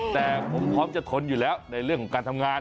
แต่ผมพร้อมจะทนอยู่แล้วในเรื่องของการทำงาน